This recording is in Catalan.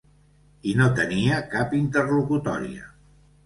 I no tenia cap interlocutòria.